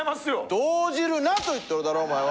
動じるなと言っとるだろお前は！